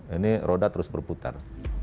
ini roda terus berputar